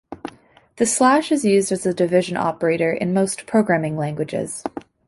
The slash is used as a division operator in most programming languages.